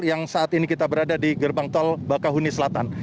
yang saat ini kita berada di gerbang tol bakahuni selatan